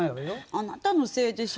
あなたのせいでしょ。